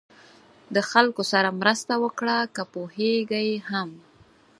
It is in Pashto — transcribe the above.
د خلکو سره مرسته وکړه که پوهېږئ هم.